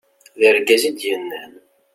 d argaz i d-yennan